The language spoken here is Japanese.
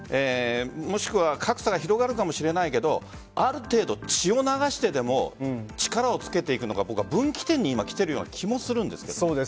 もしくは格差が広がるかもしれないけどある程度、血を流してでも力をつけていくのが分岐点に来ているような気もするんです。